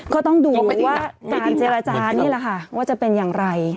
ก็ต้องดูว่าการเจรจานี่แหละค่ะว่าจะเป็นอย่างไร